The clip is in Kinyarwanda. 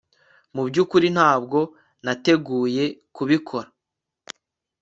mu byukuri ntabwo nateguye kubikora